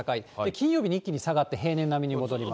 金曜日に一気に下がって平年並みに戻ります。